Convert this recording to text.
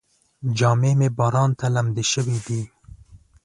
جامې مې باران ته لمدې شوې دي.